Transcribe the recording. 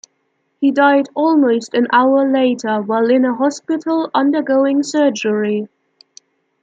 He died almost an hour later while in a hospital undergoing surgery.